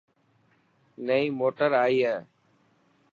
نئي موٽر آي هي.